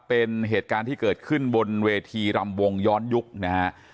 เป็นเหตุการณ์ที่เกิดขึ้นบนเวทีรำวงย้อนยุคนะฮะ